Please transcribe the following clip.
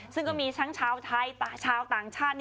ซึ่งก็มีทั้งชาวไทยชาวต่างชาติ